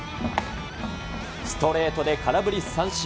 ストレートで空振り三振。